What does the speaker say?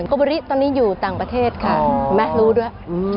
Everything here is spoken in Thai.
โกบุริตอนนี้อยู่ต่างประเทศค่ะแมทรู้ด้วย